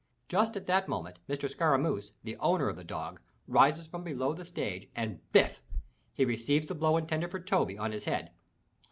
Just at that moment Mr. Scaramouch, the owner of the dog, rises from below the stage and Biff! he receives the blow intended for Toby on his head.